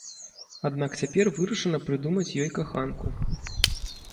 Аднак цяпер вырашана прыдумаць ёй каханку.